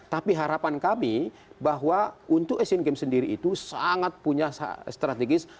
tapi harapan kami bahwa untuk asian games sendiri itu sangat punya strategis